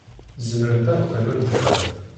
Zemrent ad qqiment da.